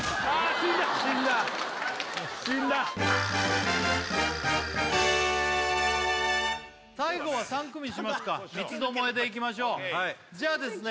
死んだ死んだ死んだ最後は３組にしますか三つどもえでいきましょうじゃあですね